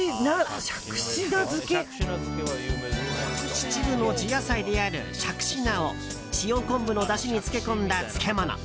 秩父の地野菜であるしゃくし菜を塩昆布のだしに漬け込んだ漬物。